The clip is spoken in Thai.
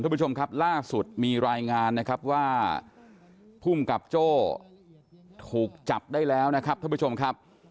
คุณผู้ชมครับล่าสุดมีรายงานนะครับว่าภูมิกับโจ้ถูกจับได้แล้วนะครับท่านผู้ชมครับ